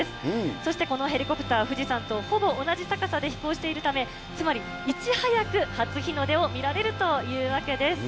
そしてこのヘリコプター、富士山とほぼ同じ高さで飛行しているため、つまりいち早く初日の出を見られるというわけです。